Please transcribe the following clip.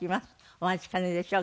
お待ちかねでしょう